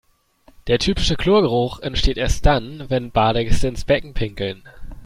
Der typische Chlorgeruch entsteht erst dann, wenn Badegäste ins Becken pinkeln.